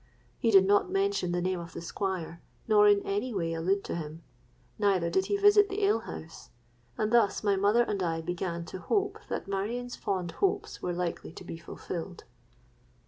He did not mention the name of the Squire, nor in any way allude to him; neither did he visit the ale house—and thus my mother and I began to hope that Marion's fond hopes were likely to be fulfilled.